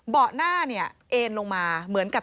หน้าเนี่ยเอ็นลงมาเหมือนกับ